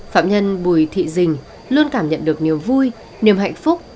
phạm nhân bùi thị dình luôn cảm nhận được niềm vui niềm hạnh phúc